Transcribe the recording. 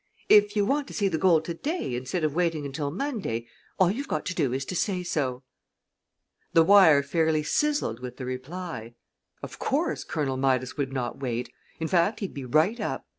If you want to see the gold to day instead of waiting until Monday, all you've got to do is to say so." The wire fairly sizzled with the reply. Of course, Colonel Midas would not wait. In fact, he'd be right up.